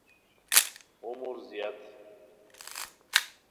عمر زیاد